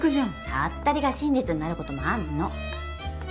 ハッタリが真実になることもあんの。